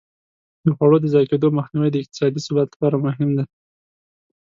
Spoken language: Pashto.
د خواړو د ضایع کېدو مخنیوی د اقتصادي ثبات لپاره مهم دی.